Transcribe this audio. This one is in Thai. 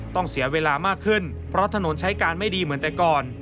เสียเวลามากขึ้นเพราะถนนใช้การไม่ดีเหมือนแต่ก่อน